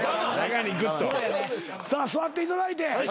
さあ座っていただいて。